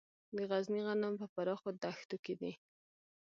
د غزني غنم په پراخو دښتو کې دي.